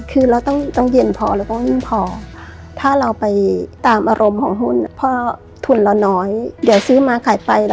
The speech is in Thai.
คือเราต้องเย็นเพราะเราต้องนิ่งพอ